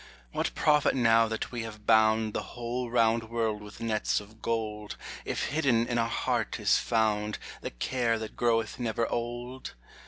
What profit now that we have bound The whole round world with nets of gold, If hidden in our heart is found The care that groweth never old?